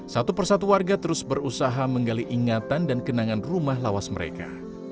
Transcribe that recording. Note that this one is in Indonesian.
satu persatu warga terus berusaha menggali ingatan dan kenangan rumah lawas mereka